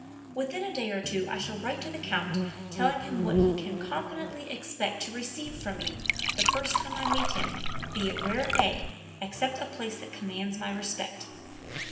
Within a day or two I shall write to the Count telling him what he can confidently expect to receive from me the first time I meet him, be it where it may, except a place that commands my respect."